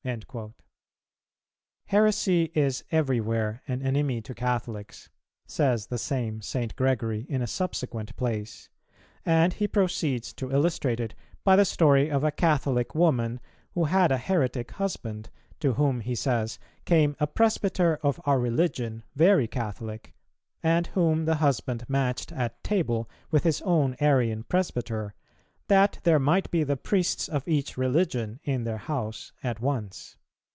"[279:1] "Heresy is everywhere an enemy to Catholics," says the same St. Gregory in a subsequent place, and he proceeds to illustrate it by the story of a "Catholic woman," who had a heretic husband, to whom, he says, came "a presbyter of our religion very Catholic;" and whom the husband matched at table with his own Arian presbyter, "that there might be the priests of each religion" in their house at once.